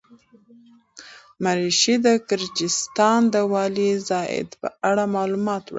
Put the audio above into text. مرعشي د ګرجستان د والي زاده په اړه معلومات وړاندې کړي.